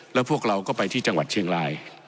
แล้วพวกเราก็ไปที่จังหวัดเชียงราย